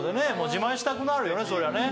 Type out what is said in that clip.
自慢したくなるよね